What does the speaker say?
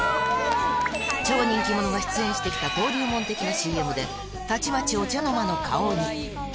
超人気者が出演してきた、登竜門的なＣＭで、たちまちお茶の間の顔に。